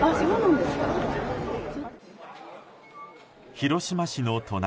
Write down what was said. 広島市の隣